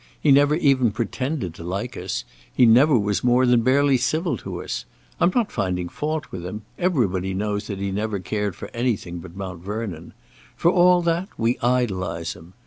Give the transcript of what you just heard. He never even pretended to like us. He never was more than barely civil to us. I'm not finding fault with him; everybody knows that he never cared for anything but Mount Vernon. For all that, we idolize him.